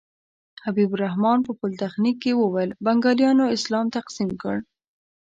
حبیب الرحمن په پولتخنیک کې وویل بنګالیانو اسلام تقسیم کړ.